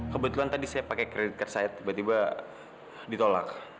kebetulan tadi saya pakai kredit kersahaya tiba tiba ditolak